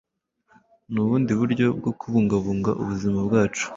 ni ubundi buryo bwo kubungabunga ubuzima bwacu.